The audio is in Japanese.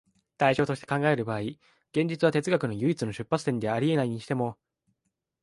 対象として考える場合、現実は哲学の唯一の出発点であり得ないにしても、